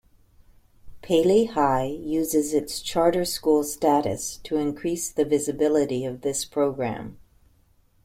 Pali High uses its charter school status to increase the visibility of this program.